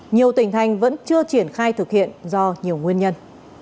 nhiều tỉnh thành vẫn chưa triển khai thực hiện do nhiều nguyên nhân